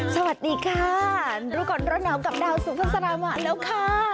สวัสดีค่ะรู้ก่อนร้อนหนาวกับดาวสุภาษามาแล้วค่ะ